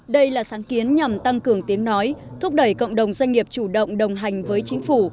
đây là sáng kiến nhằm tăng cường tiếng nói thúc đẩy cộng đồng doanh nghiệp chủ động đồng hành với chính phủ